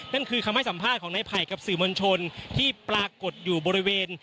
นั่นคือคำให้สัมภาษณ์ของนายไผ่กับสื่อมวลชนที่ปรากฏอยู่บริเวณ